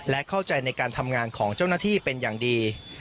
และเข้าใจในการทำงานของเจ้าหน้าที่เป็นอย่างดี